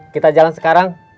kita jalan sekarang